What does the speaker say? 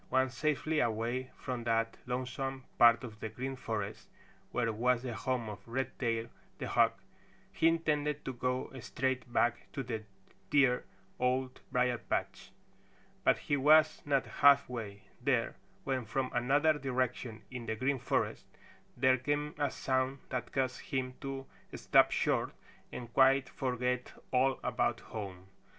Once safely away from that lonesome part of the Green Forest where was the home of Redtail the Hawk, he intended to go straight back to the dear Old Briar patch. But he was not halfway there when from another direction in the Green Forest there came a sound that caused him to stop short and quite forget all about home.